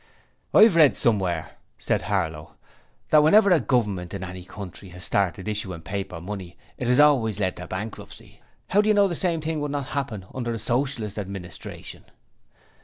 'I've read somewhere,' said Harlow, 'that whenever a Government in any country has started issuing paper money it has always led to bankruptcy. How do you know that the same thing would not happen under a Socialist Administration?'